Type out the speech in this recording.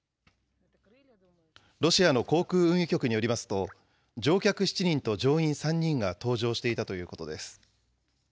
ロシアの航空運輸局によりますと、乗客７人と乗員３人が搭乗していたということです。